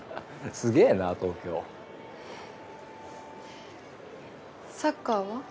すげえな東京サッカーは？